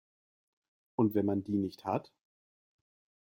Und wenn man die nicht hat?